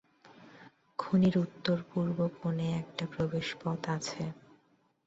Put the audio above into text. খনির উত্তর-পূর্ব কোণে একটা প্রবেশপথ আছে।